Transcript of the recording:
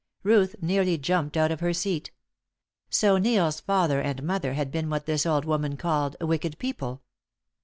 Ruth nearly jumped out of her seat. So Neil's father and mother had been what this old woman called "wicked people."